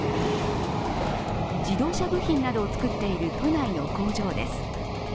自動車部品などを作っている都内の工場です。